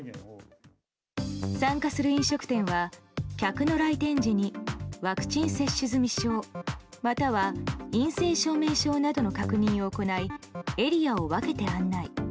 参加する飲食店は客の来店時にワクチン接種済証または、陰性証明書などの確認を行いエリアを分けて案内。